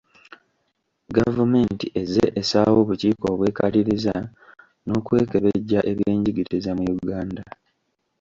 Gavumenti ezze essaawo obukiiko obwekaliriza n’okwekebejja ebyenjigiriza mu Uganda